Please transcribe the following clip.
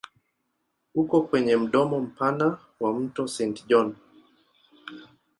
Uko kwenye mdomo mpana wa mto Saint John.